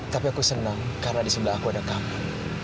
tapi aku seneng karena disini aku ada kamu